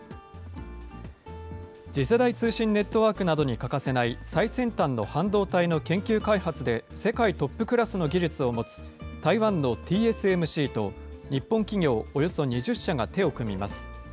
次世代通信ネットワークなどに欠かせない最先端の半導体の研究開発で世界トップクラスの技術を持つ台湾のＴＳＭＣと、日本企業およそ２０社が手を組みます。